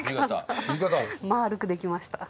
丸くできました。